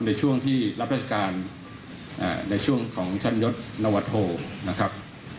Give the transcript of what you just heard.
ในช่วงที่รับราชการในช่วงของชั้นยศนวโทนะครับ